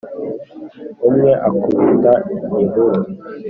umwe akubita igihuru,